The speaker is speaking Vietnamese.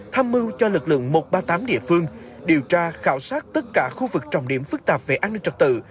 tham mưu cho lực lượng một trăm ba mươi tám địa phương điều tra khảo sát tất cả khu vực trọng điểm phức tạp về an ninh trật tự